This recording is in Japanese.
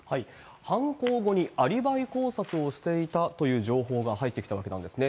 犯行後にアリバイ工作をしていたという情報が入ってきたわけなんですね。